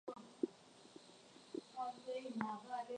muongozaji atakuelekeza vizuri sana kutembelea hifadhi